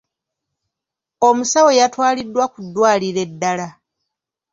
Omusawo yatwaliddwa ku ddwaliro eddala.